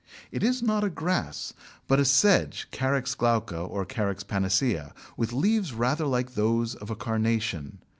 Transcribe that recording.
It is not a grass but a sedge (Carex glauca or C. panicea) with leaves rather like those of a carnation.